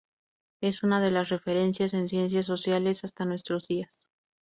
Es una de las referencias en ciencias sociales hasta nuestros días.